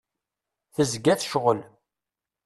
Tezga tecɣel.